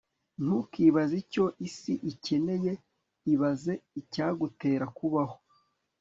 ntukibaze icyo isi ikeneye, ibaze icyagutera kubaho